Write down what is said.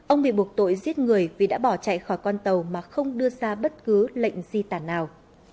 ông bị buộc tội giết người vì đã bỏ chạy khỏi con tàu mà không đưa ra bất cứ lệnh di tản nào